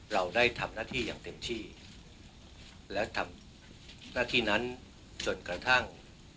เราได้ทำหน้าที่อย่างเต็มที่และทำหน้าที่นั้นจนกระทั่ง